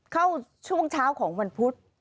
ช่วงเช้าของวันพุธ